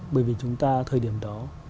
bởi vì chúng ta thời điểm đó